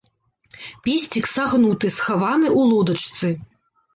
Песцік сагнуты, схаваны ў лодачцы.